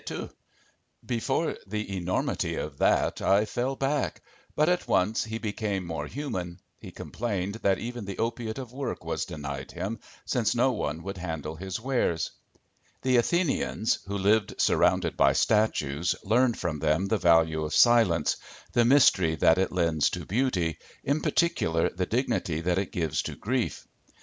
Before the enormity of that I fell back. But at once he became more human. He complained that even the opiate of work was denied him, since no one would handle his wares. The Athenians, who lived surrounded by statues, learned from them the value of silence, the mystery that it lends to beauty, in particular the dignity that it gives to grief.